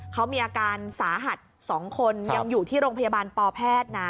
เขามีอาการสาหัส๒คนยังอยู่ที่โรงพยาบาลปแพทย์นะ